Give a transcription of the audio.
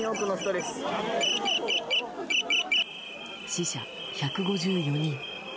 死者１５４人。